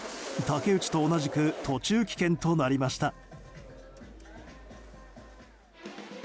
竹内と同じく途中棄権となりました。